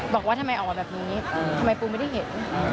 บอกว่าทำไมออกมาแบบนี้ทำไมปูไม่ได้เห็น